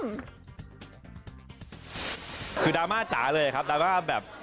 คือดราม่าจ๋าเลยครับดราม่าแบบ